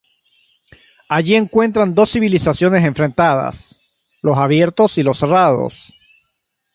Allí encuentran dos civilizaciones enfrentadas: los Abiertos y los Cerrados.